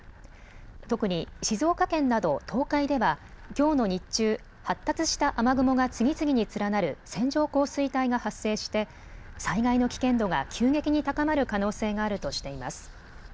特に静岡県など東海ではきょうの日中、発達した雨雲が次々に連なる線状降水帯が発生して災害の危険度が急激に高まる可能性があるとしています。